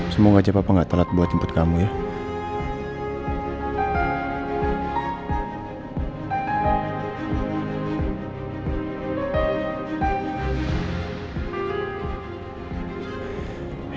semoga aja bapak gak telat buat jemput kamu ya